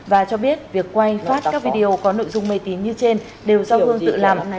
và cho biết việc quay phát các video có nội dung mê tín như trên đều do phương tự làm